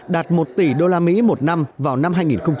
đạt một tỷ usd một năm vào năm hai nghìn hai mươi